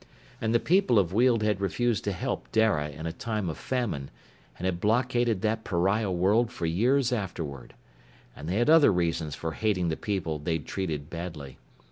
And the people of Weald had refused to help Dara in a time of famine, and had blockaded that pariah world for years afterward. And they had other reasons for hating the people they'd treated badly.